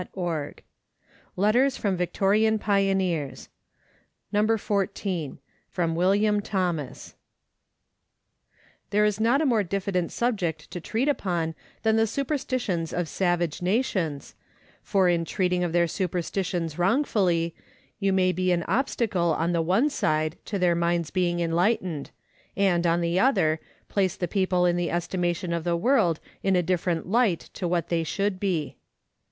84 Letters from Victorian Pioneers. No. There is not a more diffident subject to treat upon than the superstitions of savage nations, for in treating of their supersti tions wrongfully, you may be an obstacle on the one side to their minds being enlightened, and, on the other, place the people in the estimation of the world in a different light to what they should be.